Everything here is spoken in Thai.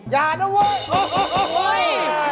อย่านะเว้ย